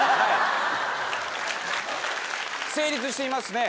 成立してます。